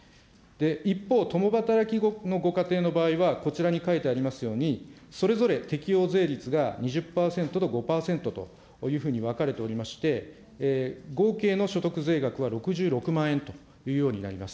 一方、共働きのご家庭の場合はこちらに書いてありますように、それぞれ適用税率が２０％と５％というふうに分かれておりまして、合計の所得税額は６６万円というようになります。